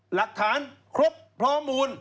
หลักฐานครบพร้อมมูล